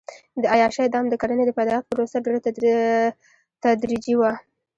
د عیاشۍ دام د کرنې د پیدایښت پروسه ډېره تدریجي وه.